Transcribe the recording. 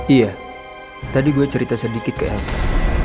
iya tadi gue cerita sedikit ke elsa